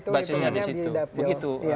basisnya itu di dapil